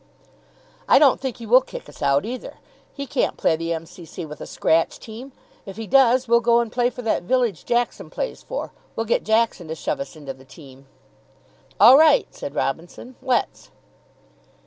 "I don't think he will kick us out, either. He can't play the M.C.C. with a scratch team. If he does, we'll go and play for that village Jackson plays for. We'll get Jackson to shove us into the team." "All right," said Robinson. "Let's."